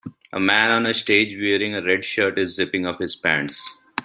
A man on stage wearing a red shirt is zipping up his pants.